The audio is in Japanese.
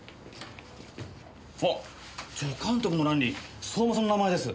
あっ助監督の欄に相馬さんの名前です。